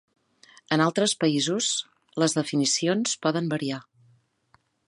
En altres països, les definicions poden variar.